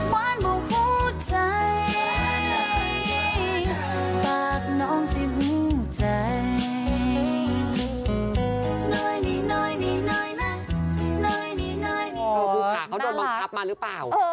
อ๋อภูผ่าเขาโดนบอมครับมาหรือเปล่า